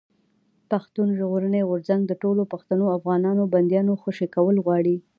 پښتون ژغورني غورځنګ د ټولو پښتنو افغانانو بنديانو خوشي کول غواړي.